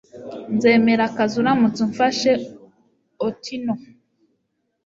nzemera akazi, uramutse umfashe. (autuno